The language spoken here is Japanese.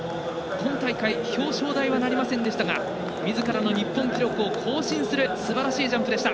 本大会、表彰台はなりませんでしたがみずからの日本記録を更新するすばらしいジャンプでした。